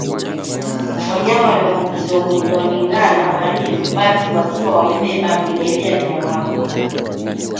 Wanyama walioambukizwa ugonjwa wa ndigana baridi hubaki wakiwa wamebeba vimelea vya magonjwa